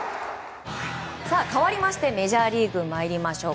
かわりましてメジャーリーグに参りましょう。